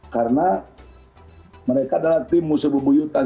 karena mereka adalah tim musuh bebuyutan